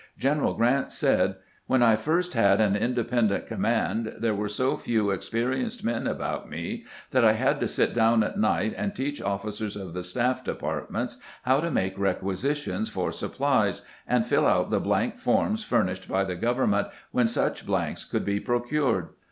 Gen eral Grant said: "When I first had an independent command there were so few experienced men about me that I had to sit down at night and teach officers of the staff departments how to make requisitions for supplies, and fill out the blank forms furnished by the govern ment when such blanks could be procured.